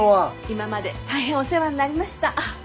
今まで大変お世話になりました。